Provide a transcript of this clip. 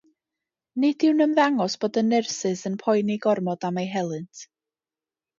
Nid yw'n ymddangos bod y nyrsys yn poeni gormod am ei helynt.